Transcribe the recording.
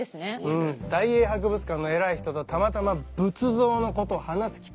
うん大英博物館の偉い人とたまたま仏像のことを話す機会があってね。